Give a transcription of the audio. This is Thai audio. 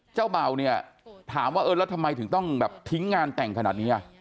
เจ้าเบาถามว่าแล้วทำไมถึงต้องทิ้งงานแต่งขนาดนี้